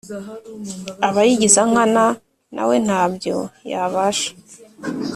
Abayigizankana nawe ntabyo yabasha